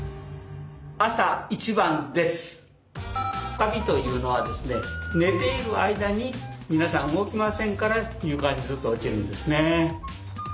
カビというのはですね寝ている間に皆さん動きませんから床にずっと落ちるんですね。